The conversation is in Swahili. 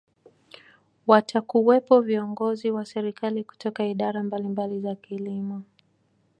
watakuwepo viongozi wa serikali kutoka idara mbalimbali za kilimo